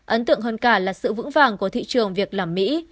ấn tượng hơn cả là sự vững vàng của thị trường việc làm mỹ